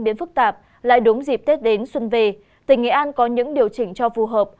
biến phức tạp lại đúng dịp tết đến xuân về tỉnh nghệ an có những điều chỉnh cho phù hợp